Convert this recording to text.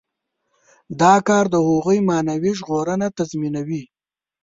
دا کار د هغوی معنوي ژغورنه تضمینوي.